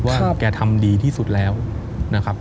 ว่าแกทำดีที่สุดแล้วนะครับ